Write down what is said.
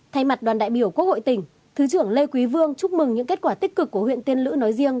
thay mặt đoàn đại biểu quốc hội tỉnh thứ trưởng lê quý vương chúc mừng những kết quả tích cực của huyện tiên lữ nói riêng